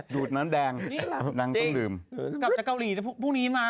ดูดน้ำแดงพ่อน้ำน้ำน้ำต้องลืม